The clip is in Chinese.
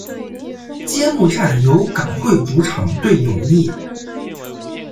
揭幕战由港会主场对永义。